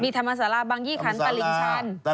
ธรรมศาลาบังยี่ขันตลิ่งชัน